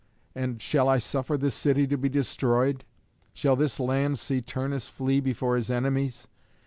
And shall I suffer this city to be destroyed? Shall this land see Turnus flee before his enemies?